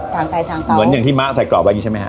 ทางใครทางเขาเหมือนอย่างที่ม้าใส่กรอบไว้ใช่ไหมฮะ